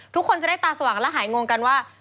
ทุกคนจะได้ตาสว่างและหายงงกันว่า